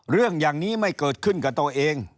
เรื่องอย่างนี้ไม่เกิดขึ้นกับตัวเอง